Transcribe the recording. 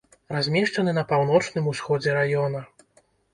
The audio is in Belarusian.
Размешчаны на паўночным усходзе раёна.